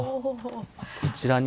そちらに。